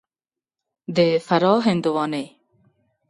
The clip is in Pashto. د فراه هندوانې